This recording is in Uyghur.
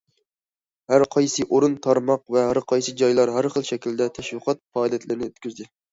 ھەر قايسى ئورۇن، تارماق ۋە ھەر قايسى جايلار ھەر خىل شەكىلدە تەشۋىقات پائالىيەتلىرىنى ئۆتكۈزدى.